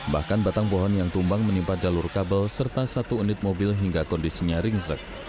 bahkan batang pohon yang tumbang menimpa jalur kabel serta satu unit mobil hingga kondisinya ringsek